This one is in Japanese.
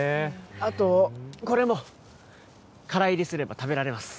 あとこれもからいりすれば食べられます